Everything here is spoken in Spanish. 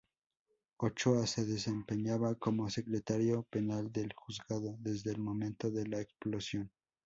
Ochoa se desempeñaba como secretario penal del juzgado desde el momento de la explosión.